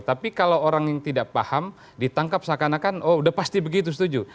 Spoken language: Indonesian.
tapi kalau orang yang tidak paham ditangkap seakan akan oh udah pasti begitu setuju